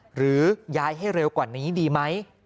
หรือย้ายให้เร็วกว่านี้ดีไหม